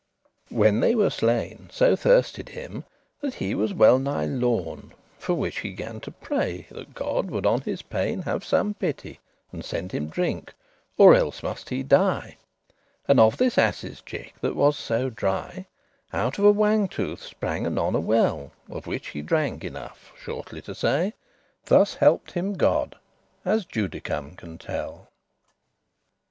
When they were slain, so thirsted him, that he Was *well nigh lorn,* for which he gan to pray *near to perishing* That God would on his pain have some pity, And send him drink, or elles must he die; And of this ass's check, that was so dry, Out of a wang tooth* sprang anon a well, *cheek tooth Of which, he drank enough, shortly to say. Thus help'd him God, as Judicum <5> can tell.